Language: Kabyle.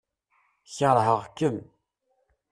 Keṛheɣ-kem.